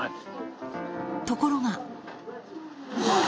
ところが。